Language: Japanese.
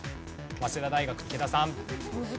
早稲田大学池田さん。